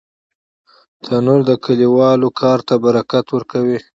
تنور د کلیوالو کار ته برکت ورکوي